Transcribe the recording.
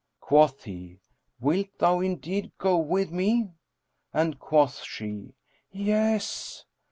Quoth he, "Wilt thou indeed go with me?" and quoth she, "Yes."